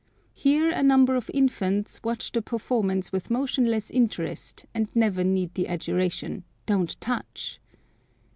Here a number of infants watch the performance with motionless interest, and never need the adjuration, "Don't touch."